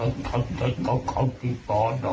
ขยับไปใกล้